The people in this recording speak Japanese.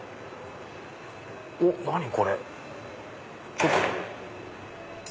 おっ何これ⁉